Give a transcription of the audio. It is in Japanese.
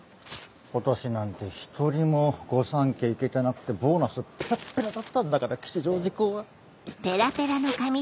今年なんて一人も御三家行けてなくてボーナスペラッペラだったんだから吉祥寺校は。